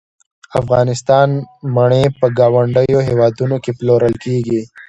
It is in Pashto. د افغانستان مڼې په ګاونډیو هیوادونو کې پلورل کیږي